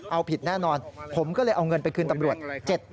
เอาผิดแน่นอนผมก็เลยเอาเงินไปคืนตำรวจ